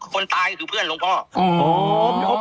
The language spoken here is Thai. คนตายก็คือเพื่อนหลวงพ่อ